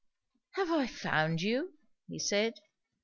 "Have I found you?" he said.